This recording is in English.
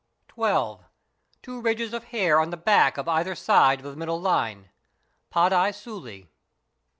12. Two ridges of hair on the back on either side of the middle line, (padai suli).